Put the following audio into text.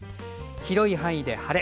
広い範囲で晴れ。